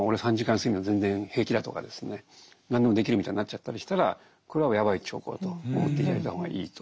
睡眠でも全然平気だとかですね何でもできるみたいになっちゃったりしたらこれはやばい兆候と思って頂いた方がいいと。